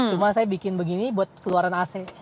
cuma saya bikin begini buat keluaran ac